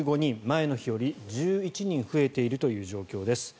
前の日より１１人増えているという状況です。